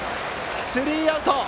スリーアウト。